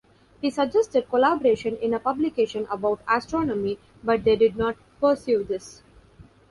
He suggested collaboration in a publication about astronomy but they did not pursue this.